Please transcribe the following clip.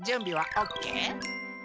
オッケー！